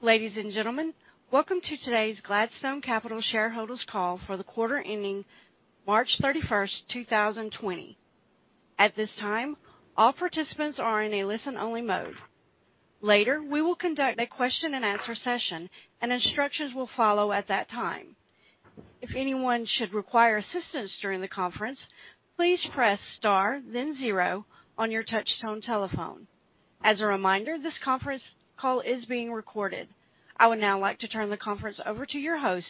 Ladies and gentlemen, welcome to today's Gladstone Capital shareholders call for the quarter ending March 31st, 2020. At this time, all participants are in a listen-only mode. Later, we will conduct a question-and-answer session, and instructions will follow at that time. If anyone should require assistance during the conference, please press star then zero on your touchtone telephone. As a reminder, this conference call is being recorded. I would now like to turn the conference over to your host,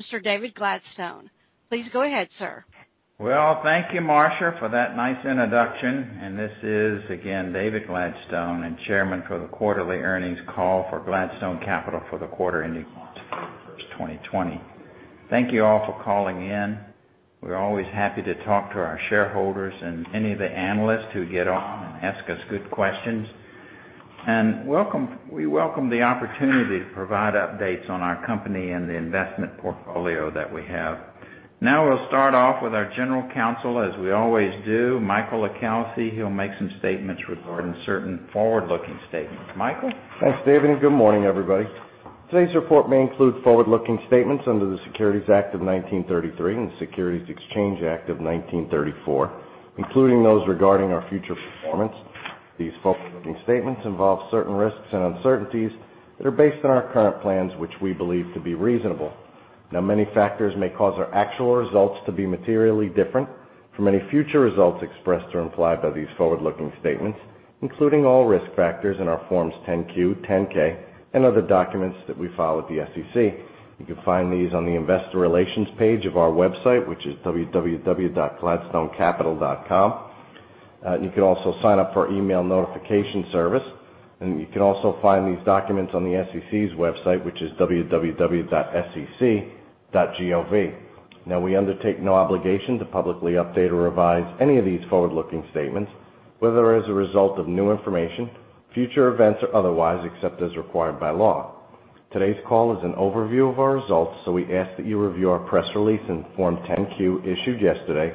Mr. David Gladstone. Please go ahead, sir. Well, thank you, Marsha, for that nice introduction. This is, again, David Gladstone, and Chairman for the quarterly earnings call for Gladstone Capital for the quarter ending March 31, 2020. Thank you all for calling in. We're always happy to talk to our shareholders and any of the analysts who get on and ask us good questions. We welcome the opportunity to provide updates on our company and the investment portfolio that we have. Now we'll start off with our general counsel as we always do, Michael LiCalsi. He'll make some statements regarding certain forward-looking statements. Michael? Thanks, David. Good morning, everybody. Today's report may include forward-looking statements under the Securities Act of 1933 and the Securities Exchange Act of 1934, including those regarding our future performance. These forward-looking statements involve certain risks and uncertainties that are based on our current plans, which we believe to be reasonable. Many factors may cause our actual results to be materially different from any future results expressed or implied by these forward-looking statements, including all risk factors in our Forms 10-Q, 10-K, and other documents that we file with the SEC. You can find these on the investor relations page of our website, which is www.gladstonecapital.com. You can also sign up for our email notification service. You can also find these documents on the SEC's website, which is www.sec.gov. Now we undertake no obligation to publicly update or revise any of these forward-looking statements, whether as a result of new information, future events, or otherwise, except as required by law. Today's call is an overview of our results, so we ask that you review our press release and Form 10-Q issued yesterday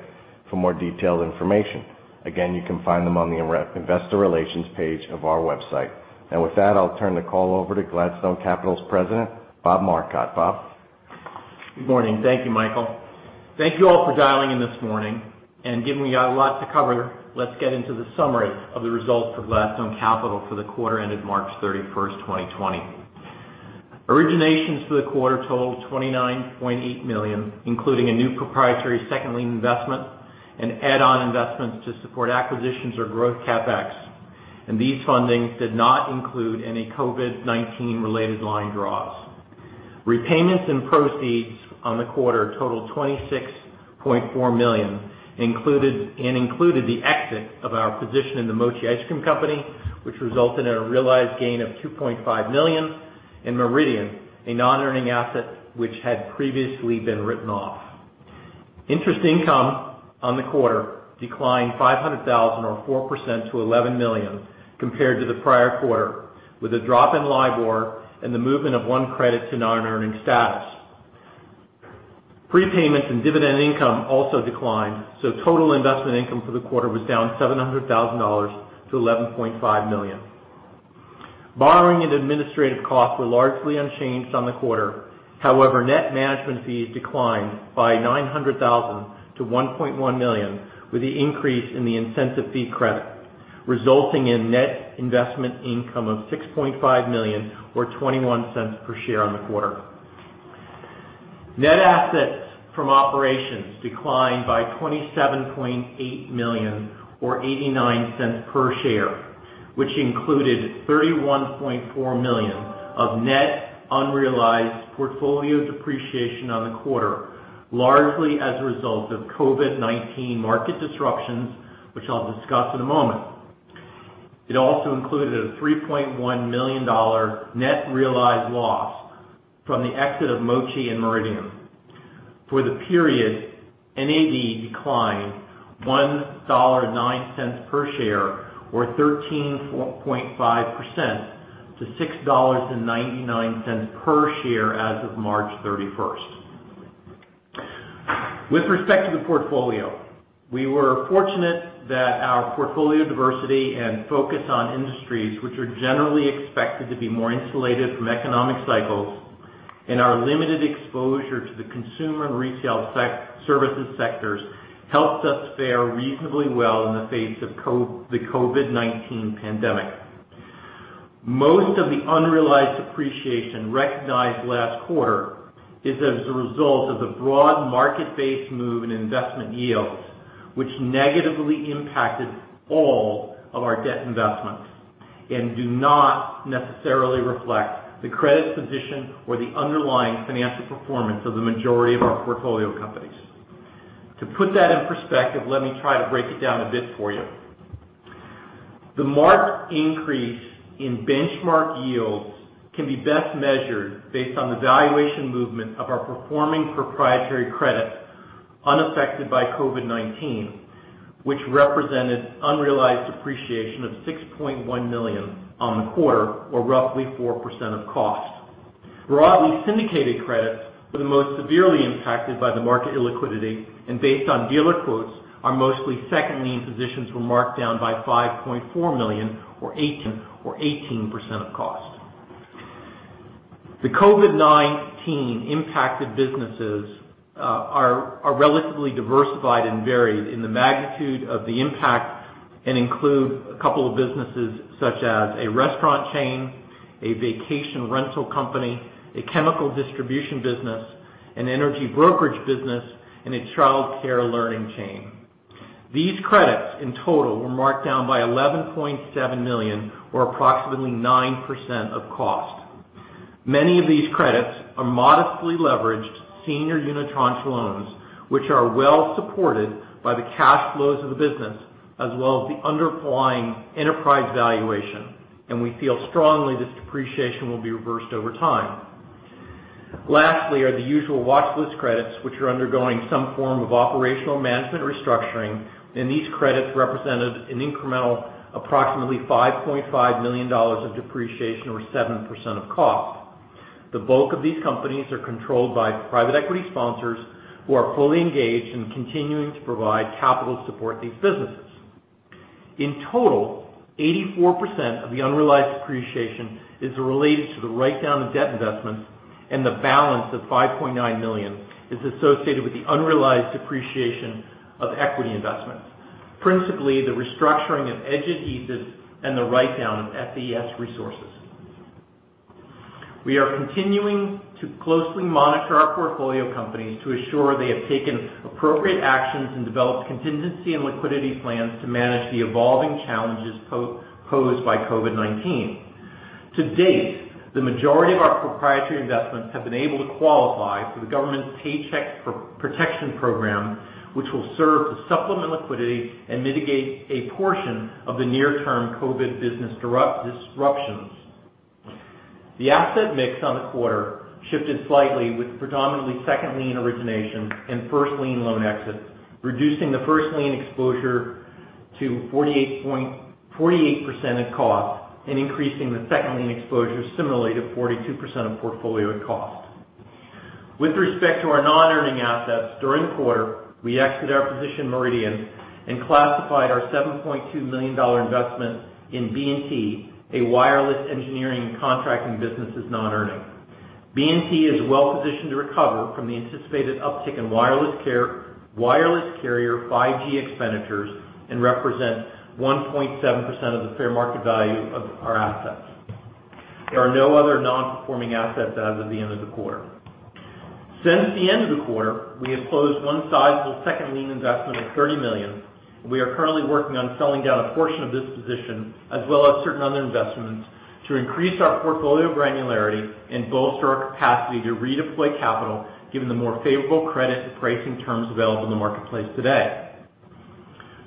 for more detailed information. Again, you can find them on the investor relations page of our website. Now with that, I'll turn the call over to Gladstone Capital's President, Bob Marcotte. Bob? Good morning. Thank you, Michael. Thank you all for dialing in this morning. Given we got a lot to cover, let's get into the summary of the results of Gladstone Capital for the quarter ended March 31st 2020. Originations for the quarter totaled $29.8 million, including a new proprietary second lien investment and add-on investments to support acquisitions or growth CapEx. These fundings did not include any COVID-19 related line draws. Repayments and proceeds on the quarter totaled $26.4 million, and included the exit of our position in The Mochi Ice Cream Company, which resulted in a realized gain of $2.5 million, and Meridian, a non-earning asset which had previously been written off. Interest income on the quarter declined $500,000 or 4% to $11 million compared to the prior quarter, with a drop in LIBOR and the movement of one credit to non-earning status. Prepayments and dividend income also declined, total investment income for the quarter was down $700,000 to $11.5 million. Borrowing and administrative costs were largely unchanged on the quarter. However, net management fees declined by $900,000 to $1.1 million, with the increase in the incentive fee credit, resulting in net investment income of $6.5 million or $0.21 per share on the quarter. Net assets from operations declined by $27.8 million or $0.89 per share, which included $31.4 million of net unrealized portfolio depreciation on the quarter, largely as a result of COVID-19 market disruptions, which I'll discuss in a moment. It also included a $3.1 million net realized loss from the exit of Mochi and Meridian. For the period, NAV declined $1.09 per share or 13.5% to $6.99 per share as of March 31st. With respect to the portfolio, we were fortunate that our portfolio diversity and focus on industries, which are generally expected to be more insulated from economic cycles, and our limited exposure to the consumer and retail services sectors, helped us fare reasonably well in the face of the COVID-19 pandemic. Most of the unrealized depreciation recognized last quarter is as a result of the broad market-based move in investment yields, which negatively impacted all of our debt investments and do not necessarily reflect the credit position or the underlying financial performance of the majority of our portfolio companies. To put that in perspective, let me try to break it down a bit for you. The marked increase in benchmark yields can be best measured based on the valuation movement of our performing proprietary credits unaffected by COVID-19, which represented unrealized appreciation of $6.1 million on the quarter, or roughly 4% of cost Broadly syndicated credits were the most severely impacted by the market illiquidity, based on dealer quotes, our mostly second lien positions were marked down by $5.4 million or 18% of cost. The COVID-19 impacted businesses are relatively diversified and varied in the magnitude of the impact and include a couple of businesses such as a restaurant chain, a vacation rental company, a chemical distribution business, an energy brokerage business, and a childcare learning chain. These credits in total were marked down by $11.7 million or approximately 9% of cost. Many of these credits are modestly leveraged senior unitranche loans, which are well supported by the cash flows of the business as well as the underlying enterprise valuation. We feel strongly this depreciation will be reversed over time. Lastly, are the usual watchlist credits, which are undergoing some form of operational management restructuring, and these credits represented an incremental approximately $5.5 million of depreciation or 7% of cost. The bulk of these companies are controlled by private equity sponsors who are fully engaged and continuing to provide capital to support these businesses. In total, 84% of the unrealized depreciation is related to the write-down of debt investments, and the balance of $5.9 million is associated with the unrealized depreciation of equity investments, principally the restructuring of Edge Adhesives and the write-down of FES Resources. We are continuing to closely monitor our portfolio companies to assure they have taken appropriate actions and developed contingency and liquidity plans to manage the evolving challenges posed by COVID-19. To date, the majority of our proprietary investments have been able to qualify for the government's Paycheck Protection Program, which will serve to supplement liquidity and mitigate a portion of the near-term COVID business disruptions. The asset mix on the quarter shifted slightly with predominantly second lien origination and first lien loan exits, reducing the first lien exposure to 48% of cost and increasing the second lien exposure similarly to 42% of portfolio at cost. With respect to our non-earning assets, during the quarter, we exited our position in Meridian and classified our $7.2 million investment in B+T, a wireless engineering and contracting business, as non-earning. B+T is well positioned to recover from the anticipated uptick in wireless carrier 5G expenditures and represents 1.7% of the fair market value of our assets. There are no other non-performing assets as of the end of the quarter. Since the end of the quarter, we have closed one sizable second lien investment of $30 million. We are currently working on selling down a portion of this position, as well as certain other investments, to increase our portfolio granularity and bolster our capacity to redeploy capital, given the more favorable credit and pricing turns available in the marketplace today.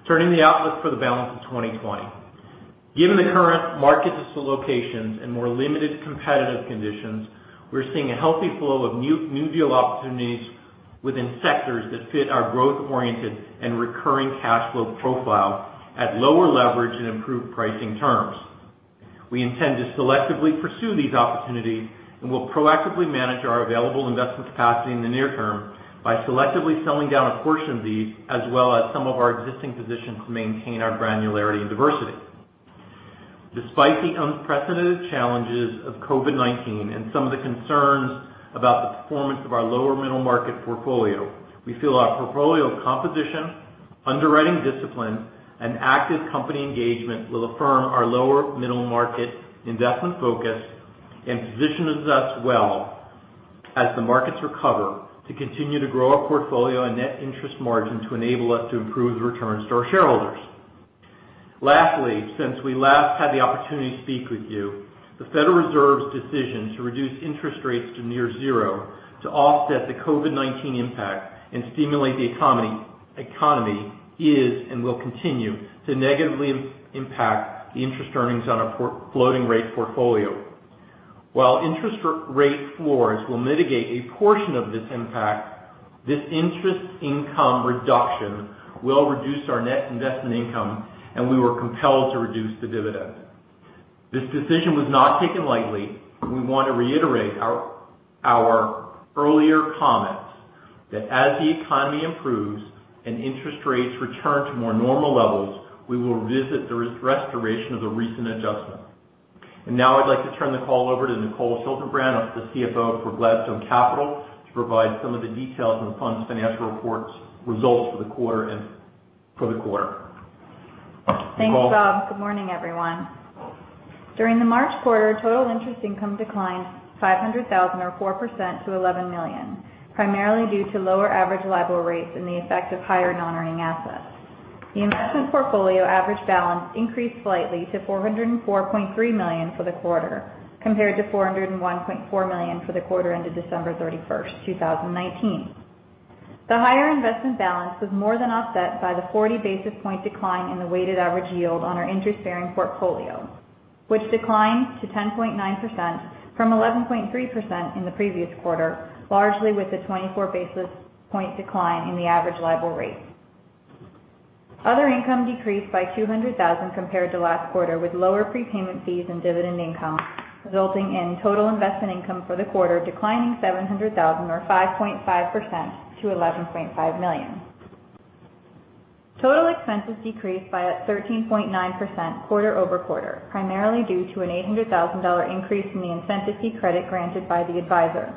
Turning to the outlook for the balance of 2020. Given the current market dislocations and more limited competitive conditions, we're seeing a healthy flow of new deal opportunities within sectors that fit our growth-oriented and recurring cash flow profile at lower leverage and improved pricing terms. We intend to selectively pursue these opportunities and will proactively manage our available investment capacity in the near term by selectively selling down a portion of these, as well as some of our existing positions, to maintain our granularity and diversity. Despite the unprecedented challenges of COVID-19 and some of the concerns about the performance of our lower middle market portfolio, we feel our portfolio composition, underwriting discipline, and active company engagement will affirm our lower middle market investment focus and positions us well as the markets recover to continue to grow our portfolio and net interest margin to enable us to improve the returns to our shareholders. Lastly, since we last had the opportunity to speak with you, the Federal Reserve's decision to reduce interest rates to near zero to offset the COVID-19 impact and stimulate the economy is, and will continue, to negatively impact the interest earnings on our floating rate portfolio. While interest rate floors will mitigate a portion of this impact, this interest income reduction will reduce our net investment income, and we were compelled to reduce the dividend. This decision was not taken lightly. We want to reiterate our earlier comments that as the economy improves and interest rates return to more normal levels, we will revisit the restoration of the recent adjustment. Now I'd like to turn the call over to Nicole Schaltenbrand, the CFO for Gladstone Capital, to provide some of the details on the fund's financial reports results for the quarter. Nicole? Thanks, Bob. Good morning, everyone. During the March quarter, total interest income declined $500,000 or 4% to $11 million, primarily due to lower average LIBOR rates and the effect of higher non-earning assets. The investment portfolio average balance increased slightly to $404.3 million for the quarter, compared to $401.4 million for the quarter ended December 31st, 2019. The higher investment balance was more than offset by the 40 basis point decline in the weighted average yield on our interest-bearing portfolio, which declined to 10.9% from 11.3% in the previous quarter, largely with a 24 basis point decline in the average LIBOR rate. Other income decreased by $200,000 compared to last quarter, with lower prepayment fees and dividend income, resulting in total investment income for the quarter declining $700,000 or 5.5% to $11.5 million. Total expenses decreased by 13.9% quarter-over-quarter, primarily due to an $800,000 increase in the incentive fee credit granted by the advisor.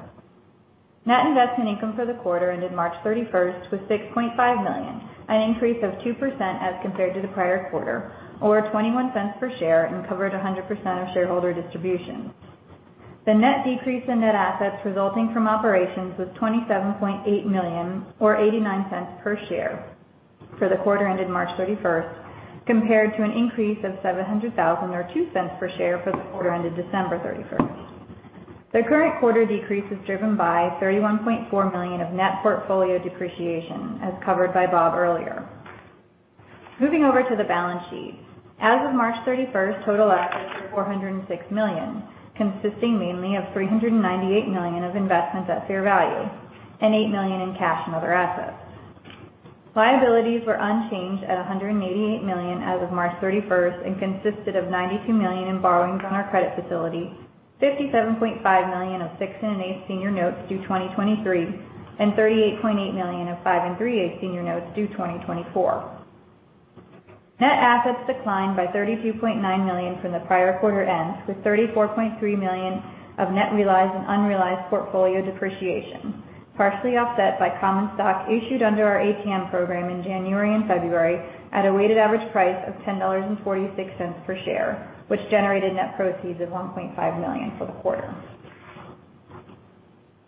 Net investment income for the quarter ended March 31st with $6.5 million, an increase of 2% as compared to the prior quarter or $0.21 per share, and covered 100% of shareholder distributions. The net decrease in net assets resulting from operations was $27.8 million or $0.89 per share for the quarter ended March 31st, compared to an increase of $700,000 or $0.02 per share for the quarter ended December 31st. The current quarter decrease is driven by $31.4 million of net portfolio depreciation, as covered by Bob earlier. Moving over to the balance sheet. As of March 31st, total assets were $406 million, consisting mainly of $398 million of investments at fair value and $8 million in cash and other assets. Liabilities were unchanged at $188 million as of March 31st and consisted of $92 million in borrowings on our credit facility, $57.5 million of 6.875% senior notes due 2023, and $38.8 million of 5.875% senior notes due 2024. Net assets declined by $32.9 million from the prior quarter end with $34.3 million of net realized and unrealized portfolio depreciation, partially offset by common stock issued under our ATM program in January and February at a weighted average price of $10.46 per share, which generated net proceeds of $1.5 million for the quarter.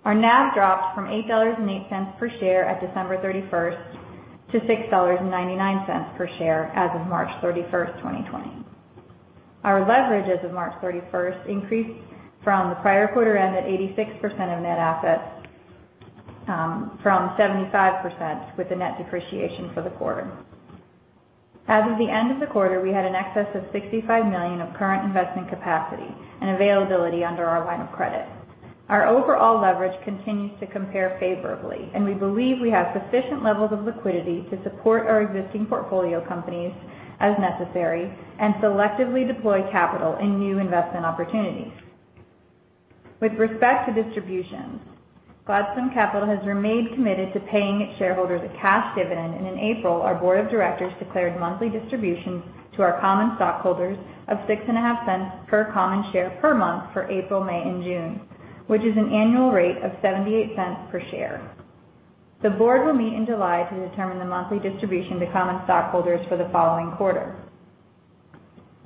Our NAV dropped from $8.08 per share at December 31st to $6.99 per share as of March 31st, 2020. Our leverage as of March 31st increased from the prior quarter end at 86% of net assets from 75% with the net depreciation for the quarter. As of the end of the quarter, we had an excess of $65 million of current investment capacity and availability under our line of credit. Our overall leverage continues to compare favorably, and we believe we have sufficient levels of liquidity to support our existing portfolio companies as necessary and selectively deploy capital in new investment opportunities. With respect to distributions, Gladstone Capital has remained committed to paying its shareholders a cash dividend, and in April, our board of directors declared monthly distributions to our common stockholders of $0.065 per common share per month for April, May, and June, which is an annual rate of $0.78 per share. The board will meet in July to determine the monthly distribution to common stockholders for the following quarter.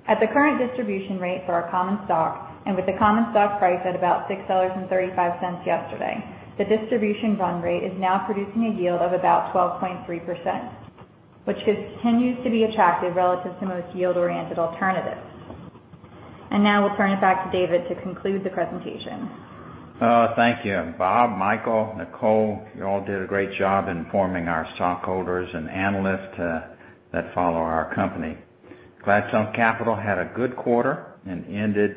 At the current distribution rate for our common stock, and with the common stock price at about $6.35 yesterday, the distribution run rate is now producing a yield of about 12.3%, which continues to be attractive relative to most yield-oriented alternatives. Now we'll turn it back to David to conclude the presentation. Thank you. Bob, Michael, Nicole, you all did a great job informing our stockholders and analysts that follow our company. Gladstone Capital had a good quarter and ended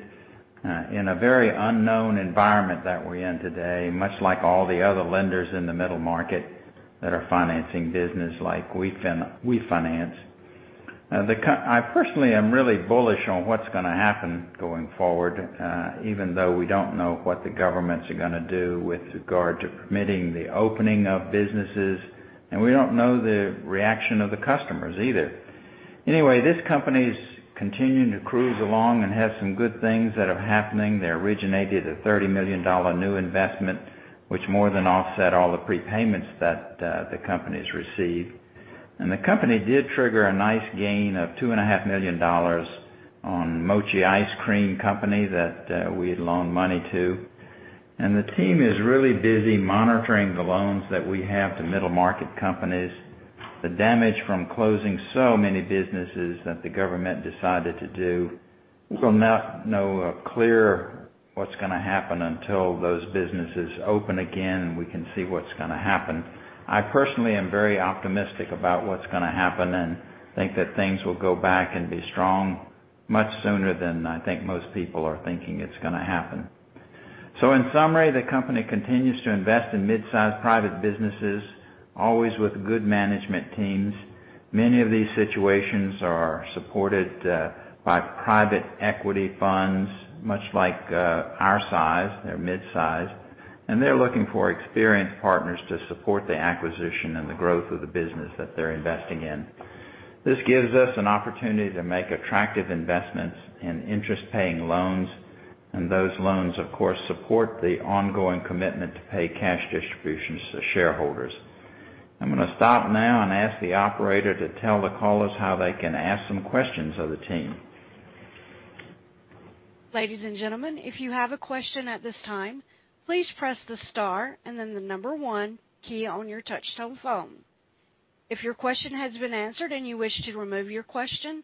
in a very unknown environment that we're in today, much like all the other lenders in the middle market that are financing business like we finance. I personally am really bullish on what's going to happen going forward, even though we don't know what the governments are going to do with regard to permitting the opening of businesses, and we don't know the reaction of the customers either. Anyway, this company's continuing to cruise along and have some good things that are happening. They originated a $30 million new investment, which more than offset all the prepayments that the company's received. The company did trigger a nice gain of $2.5 million on Mochi Ice Cream Company that we had loaned money to. The team is really busy monitoring the loans that we have to middle market companies. The damage from closing so many businesses that the government decided to do, we'll not know clear what's going to happen until those businesses open again, and we can see what's going to happen. I personally am very optimistic about what's going to happen and think that things will go back and be strong much sooner than I think most people are thinking it's going to happen. In summary, the company continues to invest in mid-size private businesses, always with good management teams. Many of these situations are supported by private equity funds, much like our size. They're mid-size. They're looking for experienced partners to support the acquisition and the growth of the business that they're investing in. This gives us an opportunity to make attractive investments in interest-paying loans. Those loans, of course, support the ongoing commitment to pay cash distributions to shareholders. I'm going to stop now and ask the operator to tell the callers how they can ask some questions of the team. Ladies and gentlemen, if you have a question at this time, please press the star and then the number one key on your touchtone phone. If your question has been answered and you wish to remove your question,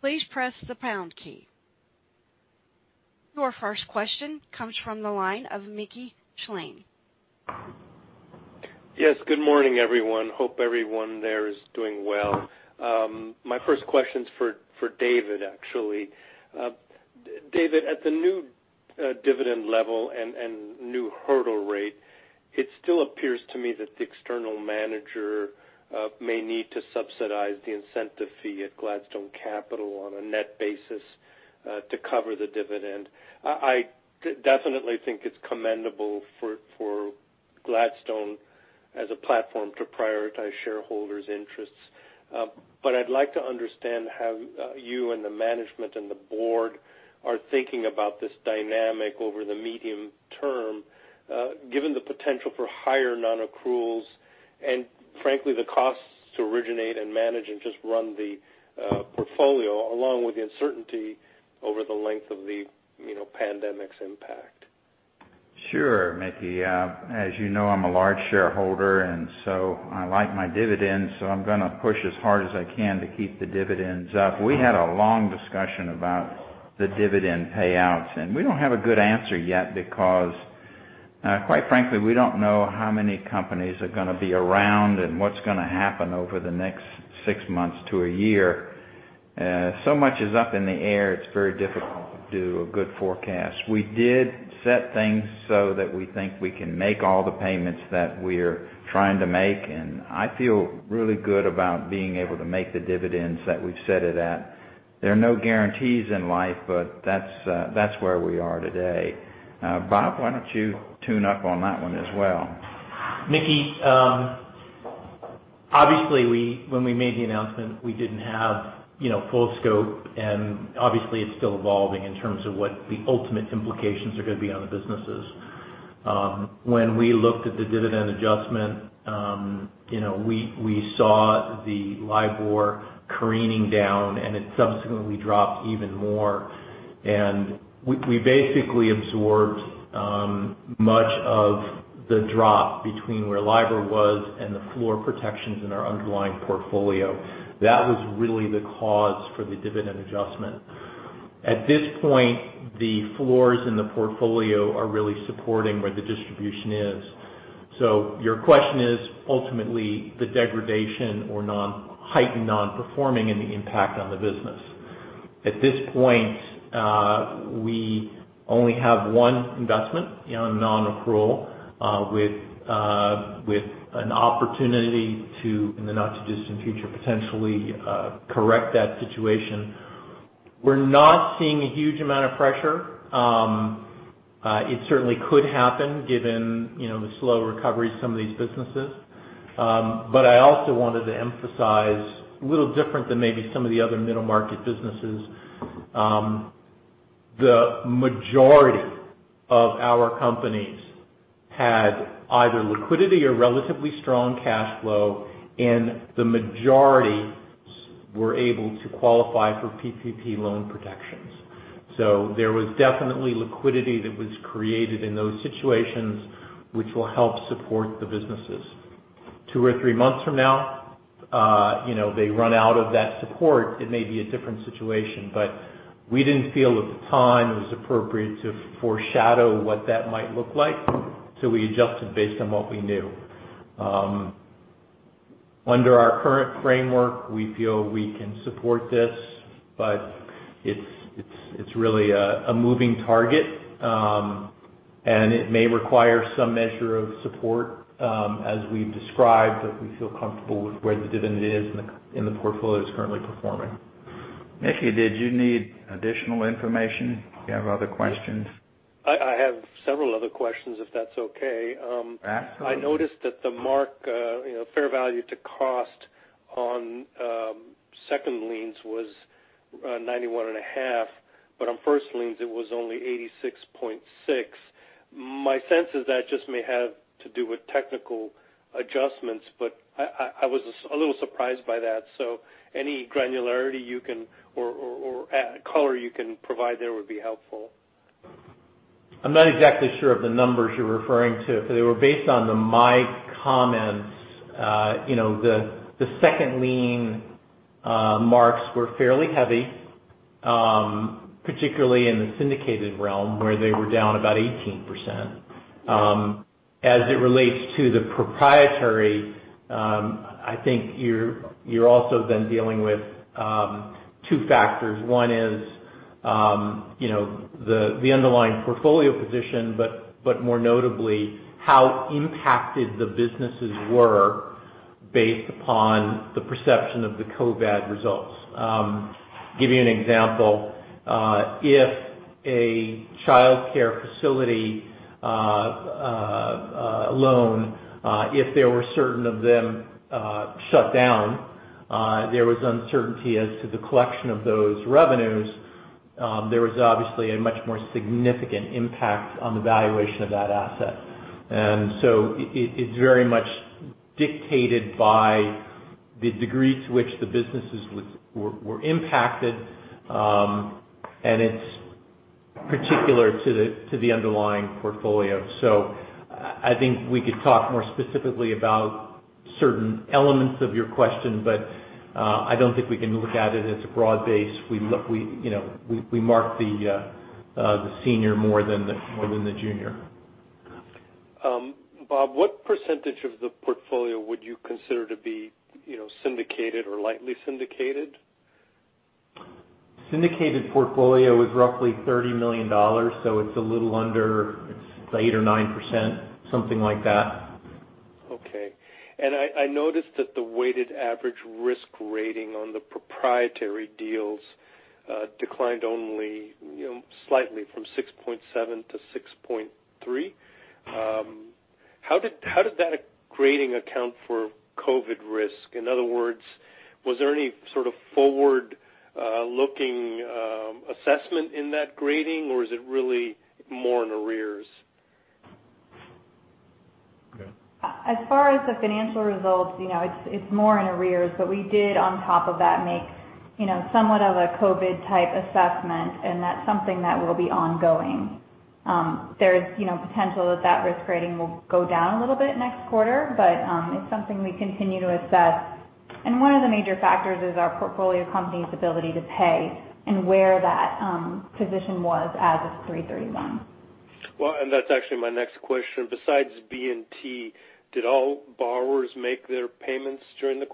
please press the pound key. Your first question comes from the line of Mickey Schleien. Yes. Good morning, everyone. Hope everyone there is doing well. My first question's for David, actually. David, at the new dividend level and new hurdle rate, it still appears to me that the external manager may need to subsidize the incentive fee at Gladstone Capital on a net basis to cover the dividend. I definitely think it's commendable for Gladstone as a platform to prioritize shareholders' interests. I'd like to understand how you and the management and the board are thinking about this dynamic over the medium term, given the potential for higher non-accruals and frankly, the costs to originate and manage and just run the portfolio along with the uncertainty over the length of the pandemic's impact. Sure, Mickey. As you know, I'm a large shareholder, and so I like my dividends, so I'm going to push as hard as I can to keep the dividends up. We don't have a good answer yet because, quite frankly, we don't know how many companies are going to be around and what's going to happen over the next six months to a year. Much is up in the air, it's very difficult to do a good forecast. We did set things so that we think we can make all the payments that we're trying to make, I feel really good about being able to make the dividends that we've set it at. There are no guarantees in life, that's where we are today. Bob, why don't you tune up on that one as well? Mickey, obviously, when we made the announcement, we didn't have full scope, and obviously it's still evolving in terms of what the ultimate implications are going to be on the businesses. When we looked at the dividend adjustment, we saw the LIBOR careening down. It subsequently dropped even more. We basically absorbed much of the drop between where LIBOR was and the floor protections in our underlying portfolio. That was really the cause for the dividend adjustment. At this point, the floors in the portfolio are really supporting where the distribution is. Your question is ultimately the degradation or heightened non-performing and the impact on the business. At this point, we only have one investment on non-accrual with an opportunity to, in the not-too-distant future, potentially correct that situation. We're not seeing a huge amount of pressure. It certainly could happen given the slow recovery of some of these businesses. I also wanted to emphasize, a little different than maybe some of the other middle-market businesses. The majority of our companies had either liquidity or relatively strong cash flow, and the majority were able to qualify for PPP loan protections. There was definitely liquidity that was created in those situations, which will help support the businesses. Two or three months from now, they run out of that support, it may be a different situation. We didn't feel at the time it was appropriate to foreshadow what that might look like, so we adjusted based on what we knew. Under our current framework, we feel we can support this, but it's really a moving target. It may require some measure of support as we've described, but we feel comfortable with where the dividend is and the portfolio is currently performing. Mickey, did you need additional information? Do you have other questions? I have several other questions if that's okay. Absolutely. I noticed that the mark fair value to cost on second liens was 91.5, but on first liens it was only 86.6. My sense is that just may have to do with technical adjustments, but I was a little surprised by that. Any granularity or color you can provide there would be helpful. I'm not exactly sure of the numbers you're referring to. If they were based on my comments, the second lien marks were fairly heavy, particularly in the syndicated realm where they were down about 18%. As it relates to the proprietary, I think you're also then dealing with two factors. One is the underlying portfolio position, but more notably, how impacted the businesses were based upon the perception of the COVID results. Give you an example. If a childcare facility loan, if there were certain of them shut down, there was uncertainty as to the collection of those revenues. There was obviously a much more significant impact on the valuation of that asset. It's very much dictated by the degree to which the businesses were impacted, and it's particular to the underlying portfolio. I think we could talk more specifically about certain elements of your question, but I don't think we can look at it as a broad base. We mark the senior more than the junior. Bob, what percentage of the portfolio would you consider to be syndicated or lightly syndicated? Syndicated portfolio is roughly $30 million. It's a little under, it's 8% or 9%, something like that. Okay. I noticed that the weighted average risk rating on the proprietary deals declined only slightly from 6.7 to 6.3. How did that grading account for COVID risk? In other words, was there any sort of forward-looking assessment in that grading, or is it really more in arrears? Go ahead. As far as the financial results, it's more in arrears. We did, on top of that, make somewhat of a COVID-type assessment, and that's something that will be ongoing. There's potential that that risk rating will go down a little bit next quarter. It's something we continue to assess. One of the major factors is our portfolio company's ability to pay and where that position was as of 3/31. That's actually my next question. Besides B+T Group, did all borrowers make their interest payments during the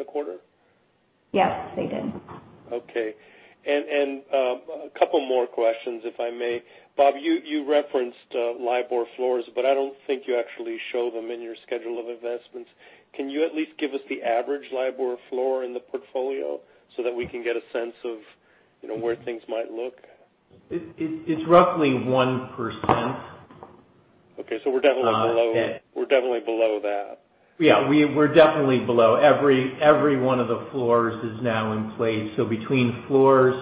quarter? Yes, they did. Okay. A couple more questions, if I may. Bob, you referenced LIBOR floors, but I don't think you actually show them in your schedule of investments. Can you at least give us the average LIBOR floor in the portfolio so that we can get a sense of where things might look? It's roughly 1%. Okay, we're definitely below that. Yeah, we're definitely below. Every one of the floors is now in place. Between floors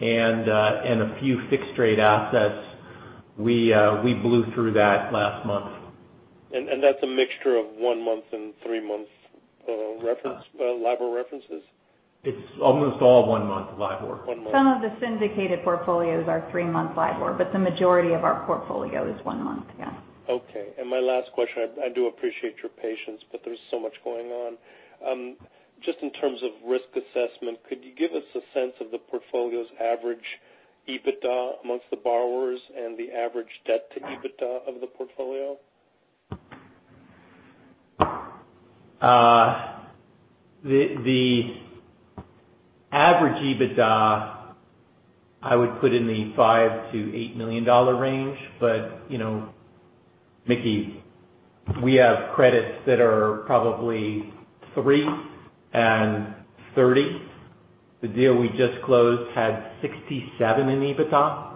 and a few fixed rate assets, we blew through that last month. That's a mixture of one-month and three-month LIBOR references? It's almost all one-month LIBOR. One month. Some of the syndicated portfolios are three-month LIBOR, but the majority of our portfolio is one-month. Yeah. Okay. My last question, I do appreciate your patience, but there's so much going on. Just in terms of risk assessment, could you give us a sense of the portfolio's average EBITDA amongst the borrowers and the average debt to EBITDA of the portfolio? The average EBITDA, I would put in the $5 million-$8 million range. Mickey, we have credits that are probably 3 and 30. The deal we just closed had 67 in EBITDA.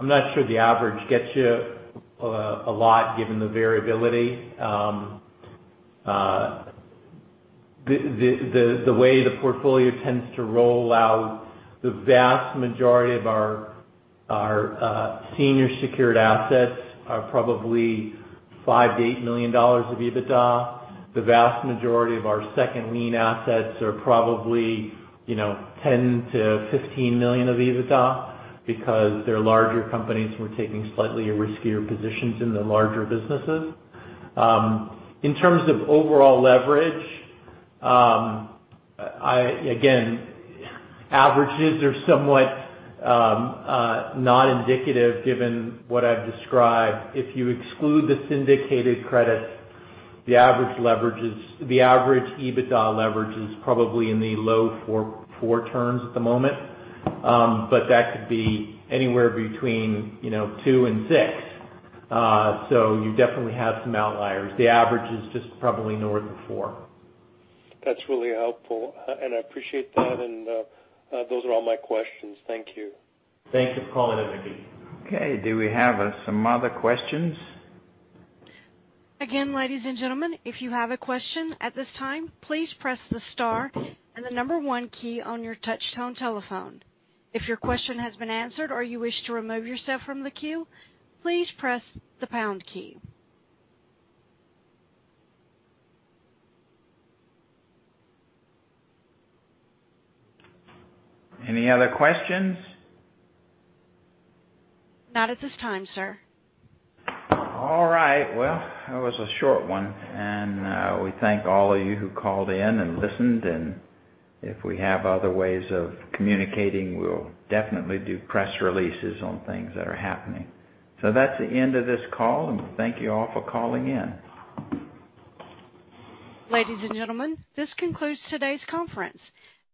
I'm not sure the average gets you a lot, given the variability. The way the portfolio tends to roll out, the vast majority of our senior secured assets are probably $5 million-$8 million of EBITDA. The vast majority of our second-lien assets are probably $10 million-$15 million of EBITDA because they're larger companies who are taking slightly riskier positions in the larger businesses. In terms of overall leverage, again, averages are somewhat non-indicative given what I've described. If you exclude the syndicated credits, the average EBITDA leverage is probably in the low 4 terms at the moment. That could be anywhere between 2 and 6. You definitely have some outliers. The average is just probably north of four. That's really helpful, and I appreciate that. Those are all my questions. Thank you. Thank you for calling in, Mickey. Okay. Do we have some other questions? Again, ladies and gentlemen, if you have a question at this time, please press the star and the number one key on your touch tone telephone. If your question has been answered or you wish to remove yourself from the queue, please press the pound key. Any other questions? Not at this time, sir. All right. Well, that was a short one. We thank all of you who called in and listened, and if we have other ways of communicating, we'll definitely do press releases on things that are happening. That's the end of this call, and thank you all for calling in. Ladies and gentlemen, this concludes today's conference.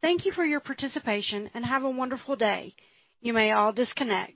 Thank you for your participation, and have a wonderful day. You may all disconnect.